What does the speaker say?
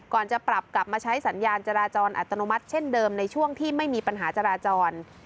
จะปรับกลับมาใช้สัญญาณจราจรอัตโนมัติเช่นเดิมในช่วงที่ไม่มีปัญหาจราจร